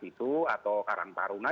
itu atau karang tarunga